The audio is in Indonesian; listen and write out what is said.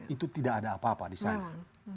itu tidak ada apa apa disana